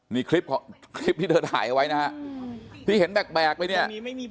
นี่คลิปที่เธอถ่ายเอาไว้นะฮะที่เห็นแบกไปเนี่ย